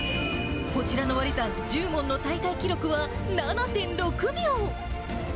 こちらの割り算、１０問の大会記録は７．６秒。